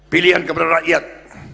pilihan kepada rakyat